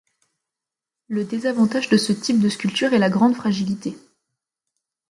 Le désavantage de ce type de sculpture est la grande fragilité.